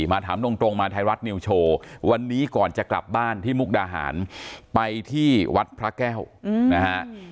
มาถามตรงมาไทยรัฐนิวโชว์วันนี้ก่อนจะกลับบ้านที่มุกดาหารไปที่วัดพระแก้วนะฮะ